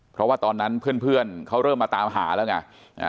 เพราะว่าตอนนั้นเพื่อนเขาเริ่มมาตามหาแล้วไง